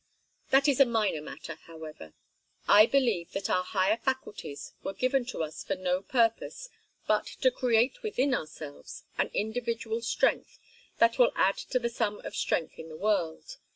That is a minor matter, however. I believe that our higher faculties were given to us for no purpose but to create within ourselves an individual strength that will add to the sum of strength in the world.